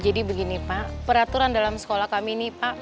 jadi begini pak peraturan dalam sekolah kami nih pak